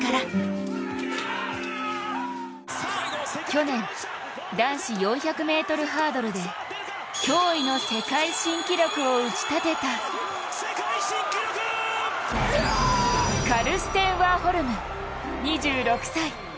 去年男子４００ｍハードルで驚異の世界新記録を打ちたてたカルステン・ワーホルム２６歳。